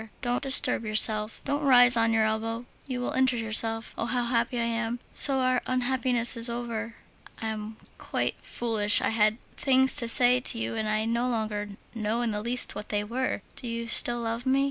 Don't disturb yourself, don't rise on your elbow, you will injure yourself. Oh! how happy I am! So our unhappiness is over! I am quite foolish. I had things to say to you, and I no longer know in the least what they were. Do you still love me?